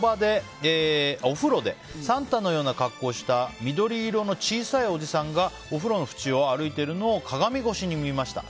お風呂でサンタのような格好をした緑色の小さいおじさんがお風呂の縁を歩いているのを鏡越しに見ました。